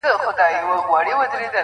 ه ژوند به دي خراب سي داسي مه كــوه تـه